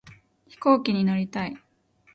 飛行機に乗りたい